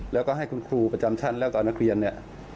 แล้วก็ให้คุณครูประจำชั้นแล้วก็อาณาเกียรติ